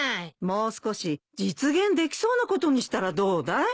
もう少し実現できそうなことにしたらどうだい？